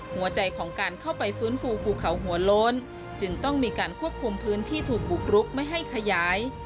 หัวใจของการเข้าไปฟื้นฟูภูเขาหัวโล้นจึงต้องมีการควบคุมพื้นที่ถูกบุกรุกไม่ให้ขยาย